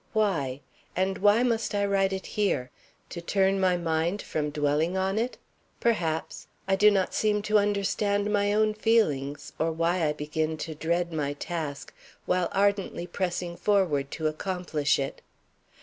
Why? And why must I write it here? To turn my mind from dwelling on it? Perhaps. I do not seem to understand my own feelings, or why I begin to dread my task, while ardently pressing forward to accomplish it.